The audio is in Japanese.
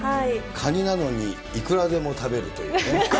かになのに、いくらでも食べるというね。